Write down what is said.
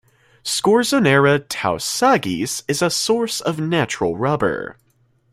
"Scorzonera tau-saghyz" is a source of natural rubber.